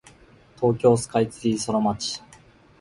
東京スカイツリーソラマチ